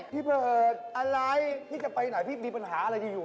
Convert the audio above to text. พี่เบิร์ดอะไรพี่จะไปไหนพี่มีปัญหาอะไรดีอยู่